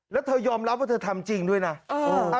แล้วเธอยอมรับว่าเธอทำจริงด้วยนะ